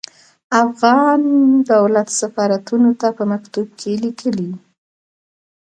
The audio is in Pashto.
افغان دولت سفارتونو ته په مکتوب کې ليکلي.